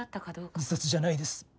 自殺じゃないです。